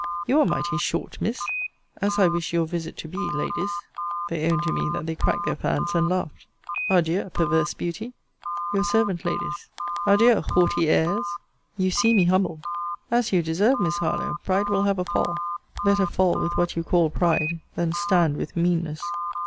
You are mighty short, Miss. As I wish your visit to be, Ladies. They owned to me, that they cracked their fans, and laughed. Adieu, perverse beauty! Your servant, Ladies. Adieu, haughty airs! You see me humbled As you deserve, Miss Harlowe. Pride will have a fall. Better fall, with what you call pride, than stand with meanness.